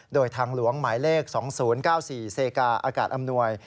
โดยทางหลวงหมายเลข๒๐๙๔เซกาอากาศอำนวย